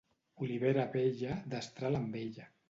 Olivera vella, destral amb ella.